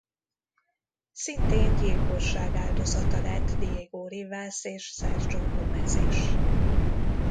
Szintén gyilkosság áldozata lett Diego Rivas és Sergio Gómez is.